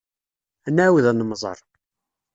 Ad nɛawed ad nemẓer.